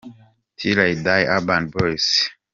Till I die –Urban boys.